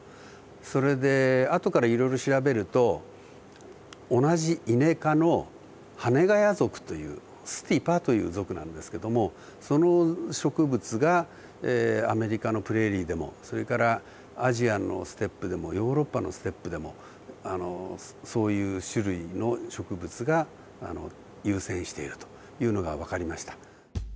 それであとからいろいろ調べると同じイネ科のハネガヤ属というスティパという属なんですけどもその植物がアメリカのプレーリーでもそれからアジアのステップでもヨーロッパのステップでもそういう種類の植物が優占しているというのがわかりました。